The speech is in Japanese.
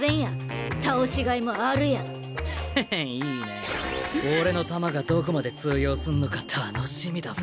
えっ⁉俺の球がどこまで通用すんのか楽しみだぜ。